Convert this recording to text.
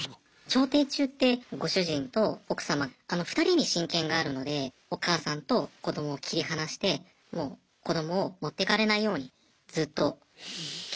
調停中ってご主人と奥様２人に親権があるのでお母さんと子どもを切り離してもう子どもを持ってかれないようにずっと警護してくれと。